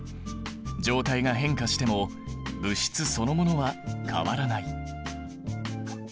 状態が変化しても物質そのものは変わらない。